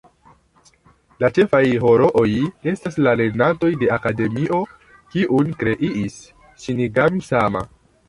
La ĉefaj herooj estas lernantoj de Akademio, kiun kreis Ŝinigami-sama.